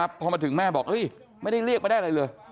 พอมาถึงแม่บอกไม่ได้เรียกประแดดเลย